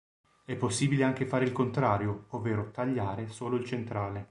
È possibile anche fare il contrario, ovvero tagliare solo il centrale.